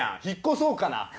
引っ越そうかな。